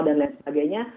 dan lain sebagainya